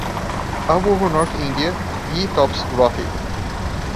All over north India, ghee tops "roti".